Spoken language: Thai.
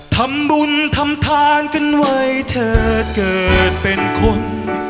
ทำบุญทำทานกันไว้เธอเกิดเป็นคน